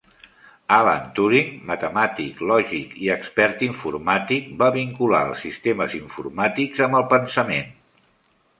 Alan Turing, matemàtic, lògic i expert informàtic, va vincular els sistemes informàtics amb el pensament.